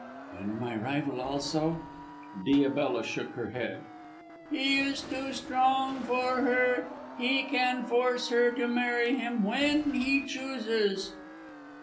"And my rival also?" Diabella shook her head. "He is too strong for her. He can force her to marry him when he chooses."